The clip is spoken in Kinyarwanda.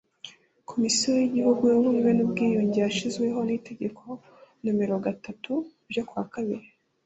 komisiyo y igihugu y ubumwe n ubwiyunge yashyizweho n itegeko nomero gatatu ryo ku wa kabiri